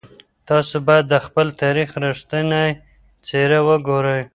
تاسو بايد د خپل تاريخ رښتينې څېره وګورئ.